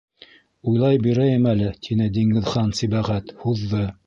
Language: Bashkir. Уйлай бирәйем әле, тине Диңгеҙхан-Сибәғәт, һуҙҙы.